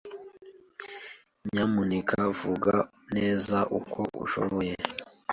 Nyamuneka vuga neza uko ushoboye.